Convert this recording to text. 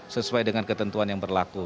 sesuai dengan ketentuan yang berlaku